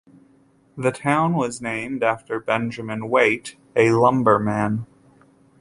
The town was named after Benjamin Waite, a lumberman.